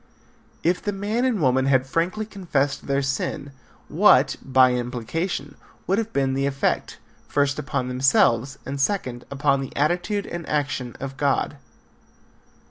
If the man and woman had frankly confessed their sin, what, by implication, would have been the effect: first, upon themselves, and second, upon the attitude and action of God?